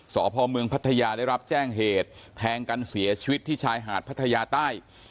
สพเมืองพัทยาได้รับแจ้งเหตุแทงกันเสียชีวิตที่ชายหาดพัทยาใต้